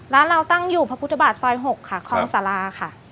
ร้านเราตั้งอยู่พระพุทธบาทซอย๖ค่ะคลองสาราค่ะ